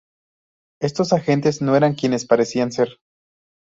Estos agentes no eran quienes parecían ser.